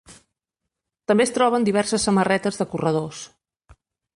També es troben diverses samarretes de corredors.